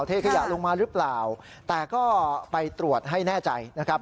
เทขยะลงมาหรือเปล่าแต่ก็ไปตรวจให้แน่ใจนะครับ